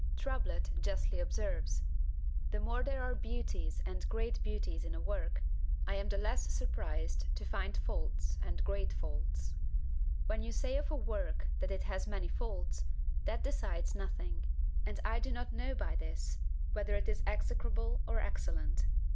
Trublet justly observes The more there are beauties and great beauties in a work, I am the less surprised to find faults and great faults. When you say of a work that it has many faults, that decides nothing: and I do not know by this, whether it is execrable or excellent.